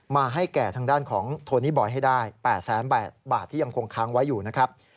มาให้แก่ทางด้านของโทนี่บอยให้ได้๘๘๐๐๐บาทที่ยังคงค้างไว้อยู่นะครับ